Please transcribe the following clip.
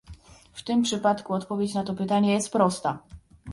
W tym przypadku odpowiedź na to pytanie jest prosta